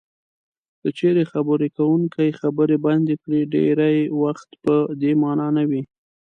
که چېرې خبرې کوونکی خبرې بندې کړي ډېری وخت په دې مانا نه وي.